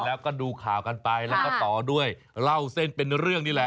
แล้วก็ดูข่าวกันไปแล้วก็ต่อด้วยเล่าเส้นเป็นเรื่องนี่แหละ